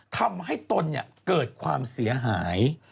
ทำให้ตนเนี่ยเกิดความเสียหาย